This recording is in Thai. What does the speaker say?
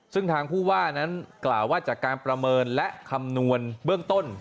ซึ่งทางผู้ว่านั้นกล่าวว่าจากการประเมินและคำนวณเบื้องต้น